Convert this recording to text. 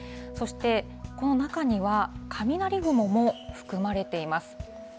そして、この中には雷雲も含まれています。